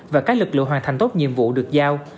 và các lực lượng hoàn thành tốt nhiệm vụ được giao